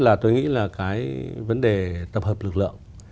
là tôi nghĩ là cái vấn đề tập hợp lực lượng